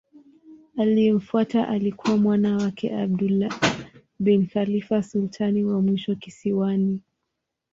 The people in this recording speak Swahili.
Aliyemfuata alikuwa mwana wake Abdullah bin Khalifa sultani wa mwisho kisiwani.